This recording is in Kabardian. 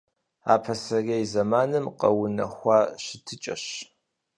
Ар пасэрей зэманым къэунэхуа щытыкӀэщ.